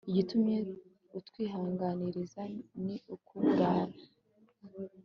igitumye utwihanangiriza ni ukuburana